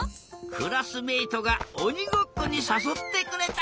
クラスメートがおにごっこにさそってくれた。